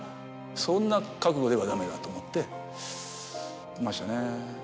そんな覚悟ではダメだと思ってましたね。